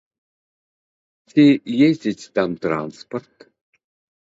Ці ездзіць там транспарт?